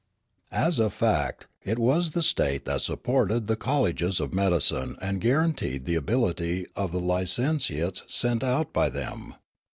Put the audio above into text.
As a fact it was the state that supported the colleges of medicine and guaranteed the ability of the licentiates sent out by them.